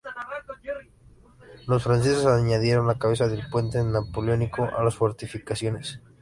Los franceses añadieron la cabeza de puente napoleónica a las fortificaciones.